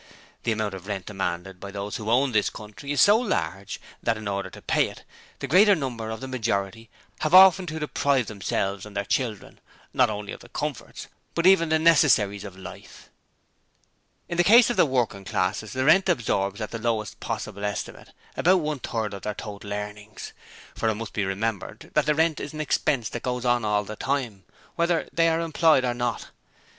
The amount of rent demanded by those who own this country is so large that, in order to pay it, the greater number of the majority have often to deprive themselves and their children, not only of the comforts, but even the necessaries of life. In the case of the working classes the rent absorbs at the lowest possible estimate, about one third of their total earnings, for it must be remembered that the rent is an expense that goes on all the time, whether they are employed or not.